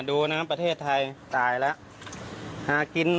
ดูนะครับก็ประเทศไทยตายแล้ว